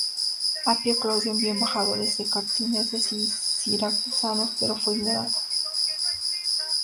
Apio Claudio envió embajadores a cartagineses y siracusanos, pero fue ignorado.